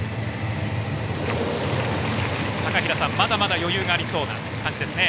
高平さん、まだまだ余裕がありそうな感じですね。